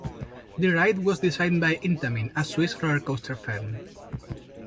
The ride was designed by Intamin, a Swiss roller coaster firm.